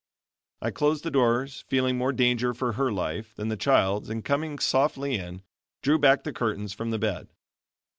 I closed the doors feeling more danger for her life than the child's and coming softly in, drew back the curtains from the bed.